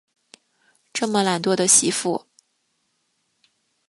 这么懒惰的媳妇